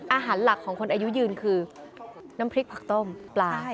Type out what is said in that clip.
อาหารหลักของคนอายุยืนคือน้ำพริกผักต้มปลา